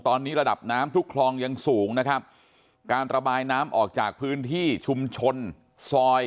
ตอนนี้ระดับน้ำทุกคลองยังสูงนะครับการระบายน้ำออกจากพื้นที่ชุมชนซอย